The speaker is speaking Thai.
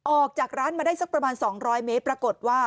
ออกจากร้านมาได้สักประมาณ๒๐๐เมตรปรากฏว่า